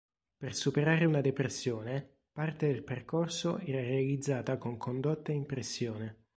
Per superare una depressione, parte del percorso era realizzata con condotta in pressione.